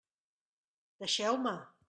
Deixeu-me!